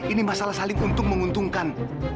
ini masalah saling untung menguntungkan